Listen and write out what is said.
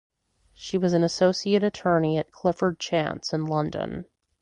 She was an associate attorney at Clifford Chance in London.